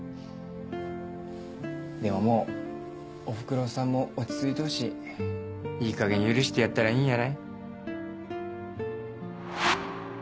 でももうおふくろさんも落ち着いとうしいいかげん許してやったらいいんやない？